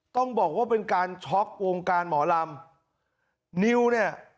ต้องบอกว่าเป็นการช็อกวงการหมอลำนิวเนี่ย